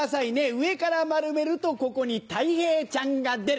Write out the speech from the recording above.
上から丸めるとここにたい平ちゃんが出る。